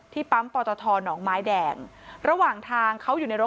ปั๊มปอตทหนองไม้แดงระหว่างทางเขาอยู่ในรถ